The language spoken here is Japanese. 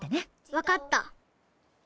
わかった。